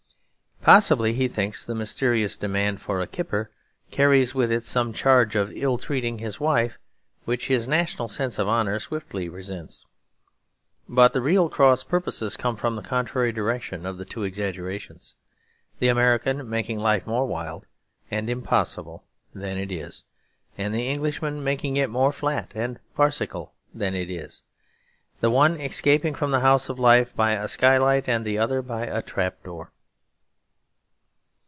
Possibly he thinks the mysterious demand for a kipper carries with it some charge of ill treating his wife; which his national sense of honour swiftly resents. But the real cross purposes come from the contrary direction of the two exaggerations, the American making life more wild and impossible than it is, and the Englishman making it more flat and farcical than it is; the one escaping from the house of life by a skylight and the other by a trap door.